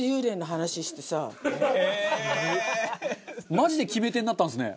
マジで決め手になったんですね。